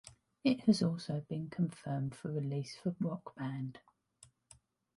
It has also been confirmed for release for "Rock Band".